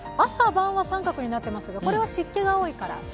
朝・晩は△になっていますが、これは湿気が多いから？